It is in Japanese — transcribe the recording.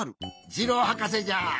ジローはかせじゃ。